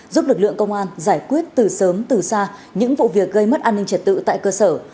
giúp lực lượng công an giải quyết từ sớm từ xa những vụ việc gây mất an ninh trật tự tại cơ sở